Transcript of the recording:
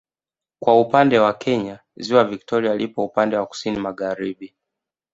Kwa upande wa Kenya ziwa Victoria lipo upande wa kusini Magharibi